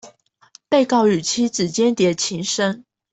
被告與妻子鰜鰈情深